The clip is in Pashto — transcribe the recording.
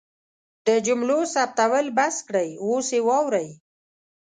د جملو ثبتول بس کړئ اوس یې واورئ